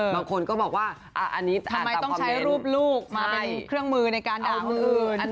บางคนก็บอกว่าอันนี้ทำไมต้องใช้รูปลูกมาเป็นเครื่องมือในการด่าคนอื่น